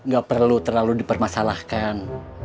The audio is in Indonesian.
gak perlu terlalu dipermasalahkan